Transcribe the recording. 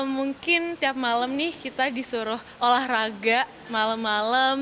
mungkin tiap malam nih kita disuruh olahraga malam malam